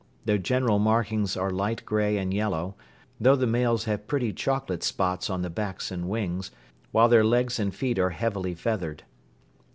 Their general markings are light grey and yellow, though the males have pretty chocolate spots on the backs and wings, while their legs and feet are heavily feathered.